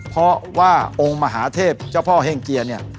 เพราะว่าองค์มหาเทพเจ้าพ่อแห้งเจีย